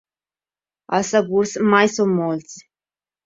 Els segurs mai són molts.